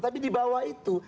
tapi di bawah itu